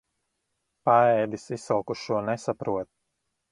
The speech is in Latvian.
Paēdis izsalkušo nesaprot.